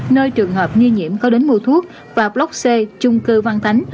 nơi trường hợp nghi nhiễm có đến mua thuốc và block c trung cư văn thánh